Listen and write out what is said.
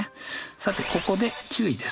さてここで注意です。